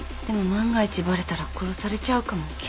でも万が一バレたら殺されちゃうかも。